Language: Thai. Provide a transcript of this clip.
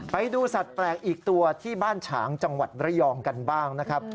ไปดูสัตว์แปลกอีกตัวที่บ้านฉางจังหวัดระยองกันบ้างนะครับ